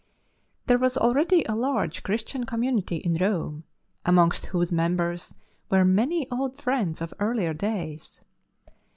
There was already a large Christian com munity in Rome, amongst whose members were many old friends of earlier days.